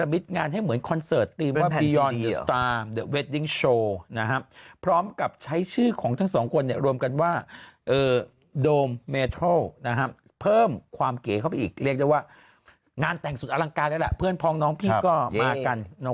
มิดงานให้เหมือนคอนเซิร์ตพร้อมกับใช้ชื่อของทั้งสองคนเนี่ยรวมกันว่าโดมเมเทิลเพิ่มความเก๋เข้าไปอีกเรียกว่างานแต่งสุดอลังการแล้วละเพื่อนพองน้องพี่ก็มากัน